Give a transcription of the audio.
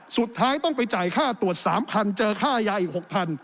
สุดท้ายต้องไปจ่ายค่าตรวจ๓๐๐เจอค่ายาอีก๖๐๐